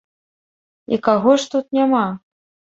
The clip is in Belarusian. І каго ж тут няма?